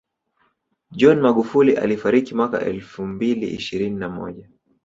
John Magufuli alifariki mwaka elfu mbili ishirini na moja